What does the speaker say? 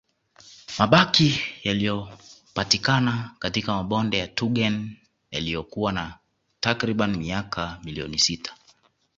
Mabaki yaliyopatikana katika mabonde ya Tugen yaliyokuwa na takriban miaka milioni sita